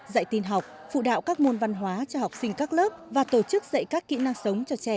dạy tin học phụ đạo các môn văn hóa cho học sinh các lớp và tổ chức dạy các kỹ năng sống cho trẻ